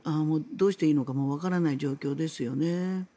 どうしていいのかわからない状況ですよね。